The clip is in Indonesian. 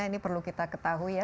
ini perlu kita ketahui ya